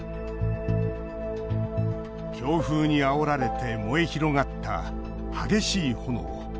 強風にあおられて燃え広がった激しい炎。